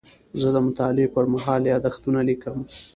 زه د مطالعې پر مهال یادښتونه لیکم.